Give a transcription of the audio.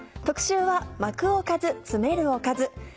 特集は「巻くおかず、詰めるおかず」。